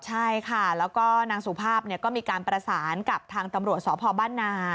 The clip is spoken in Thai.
ใช่ค่ะแล้วก็นางสุภาพก็มีการประสานกับทางตำรวจสพบ้านนา